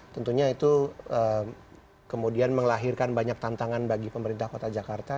tentunya itu kemudian melahirkan banyak tantangan bagi pemerintah kota jakarta